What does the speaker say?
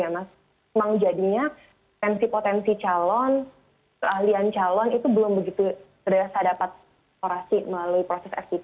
memang jadinya potensi calon keahlian calon itu belum begitu terdapat melalui proses stt